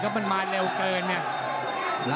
ก็มันมาเร็วเกินเนี่ย